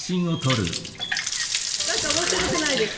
なんか面白くないですか？